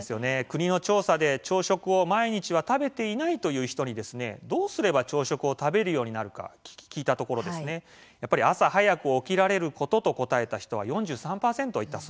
国の調査で、朝食を毎日は食べていないという人にどうすれば朝食を食べるようになるか、聞いたところ朝早く起きられることと答えた人は４３％いたそうです。